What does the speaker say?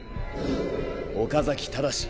岡崎正。